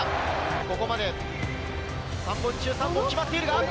ここまで３本中３本決まっているが。